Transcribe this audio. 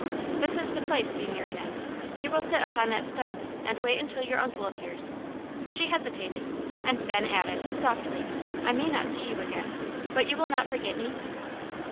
"This is the place, signorina. You will sit upon that stone, and wait until your uncle appears." She hesitated, and then added, softly: "I may not see you again. But you will not forget me?"